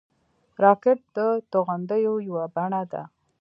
راکټ د توغندیو یوه بڼه ده